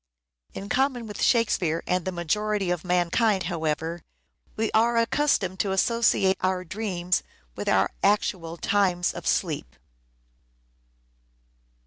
In common with Shakespeare and the majority of mankind, however, we are accustomed to associate our dreams with our actual times of sleep.